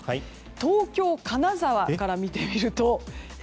東京、金沢から見てみるとえ？